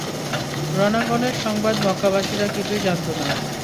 রণাঙ্গনের সংবাদ মক্কাবাসীরা কিছুই জানত না।